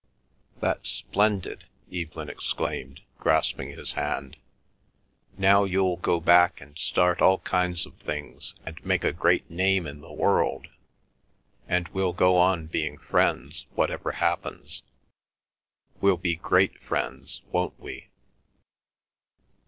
"That's splendid!" Evelyn exclaimed, grasping his hand. "Now you'll go back and start all kinds of things and make a great name in the world; and we'll go on being friends, whatever happens ... we'll be great friends, won't we?"